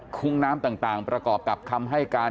ุ้งน้ำต่างประกอบกับคำให้การ